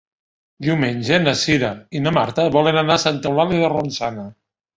Diumenge na Cira i na Marta volen anar a Santa Eulàlia de Ronçana.